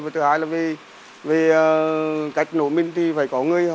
và thứ hai là về cách nổ mình thì phải có người